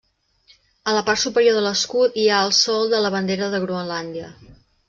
A la part superior de l'escut hi ha el sol de la bandera de Groenlàndia.